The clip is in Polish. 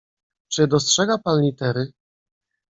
"Czy dostrzega pan litery?"